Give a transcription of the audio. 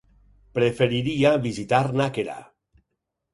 Preferiria visitar Nàquera.